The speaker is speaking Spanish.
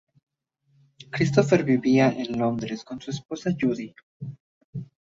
Christopher vivía en Londres con su esposa Judy.